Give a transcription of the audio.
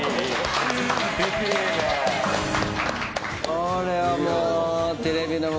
これはもう。